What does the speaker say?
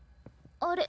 あれ？